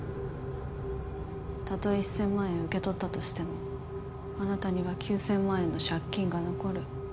たとえ１０００万円受け取ったとしてもあなたには９０００万円の借金が残る。